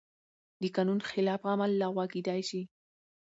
د قانون خلاف عمل لغوه کېدای شي.